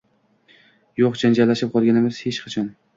Yo`q, janjallashib qolmaganmiz hech qachon